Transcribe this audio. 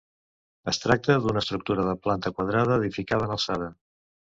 Es tracta d'una estructura de planta quadrada edificada en alçada.